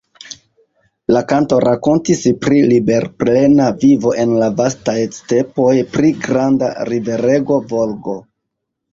La kanto rakontis pri liberplena vivo en la vastaj stepoj, pri granda riverego Volgo.